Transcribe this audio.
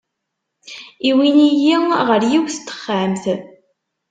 Iwin-iyi ɣer yiwet n texxamt.